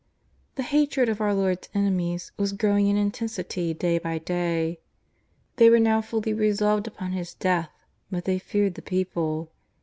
The hatred of our Lord's enemies was growing in intensity day by day. They were now fully resolved upon His death, but they feared the people.